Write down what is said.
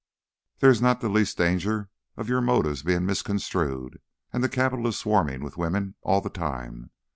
"There is not the least danger of your motives being misconstrued, and the Capitol is swarming with women, all the time.